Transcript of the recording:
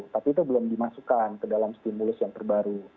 tapi itu belum dimasukkan ke dalam stimulus yang terbaru